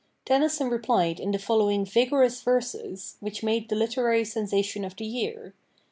Tennyson replied in the following vigorous verses, which made the literary sensation of the year.